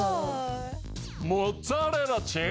モッツァレラチーズ！